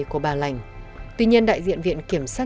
bà hoàng thị lành tuy nhiên đại diện viện kiểm sát